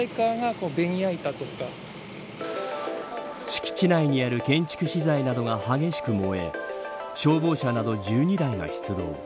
敷地内にある建築資材などが激しく燃え消防車など１２台が出動。